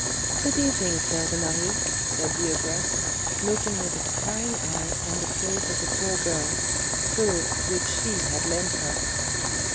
"Good evening, Fleur de Marie," said the ogress, looking with a prying eye on the clothes of the poor girl, clothes which she had lent her.